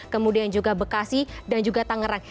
kemudian juga bekasi dan juga tangerang